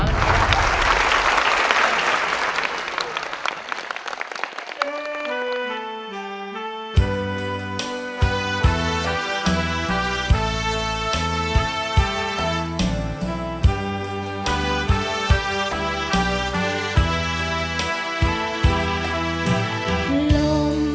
สร้างแข่งที่สุดแล้ว